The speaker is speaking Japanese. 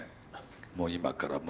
もう今からもう